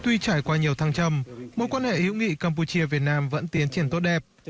tuy trải qua nhiều thăng trầm mối quan hệ hữu nghị campuchia việt nam vẫn tiến triển tốt đẹp